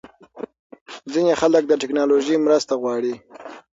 ځینې خلک د ټېکنالوژۍ مرسته غواړي.